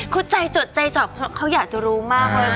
คุณใจจดใจจอบเขาอยากจะรู้มากเลยค่ะ